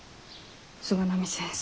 菅波先生。